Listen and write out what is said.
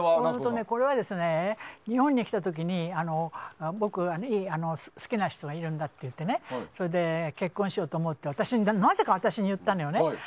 これは日本に来た時に、僕は好きな人がいるんだって言ってそれで、結婚しようと思うってなぜか私に言ったのね。